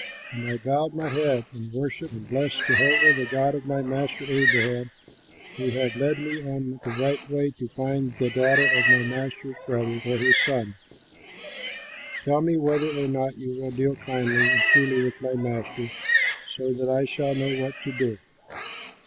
And I bowed my head and worshipped and blessed Jehovah the God of my master Abraham who had led me on the right way to find the daughter of my master's brother for his son. Tell me whether or not you will deal kindly and truly with my master, so that I shall know what to do!"